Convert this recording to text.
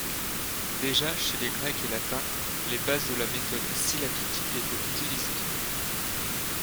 Déjà chez les Grecs et Latins les bases de la méthode syllabique étaient utilisées.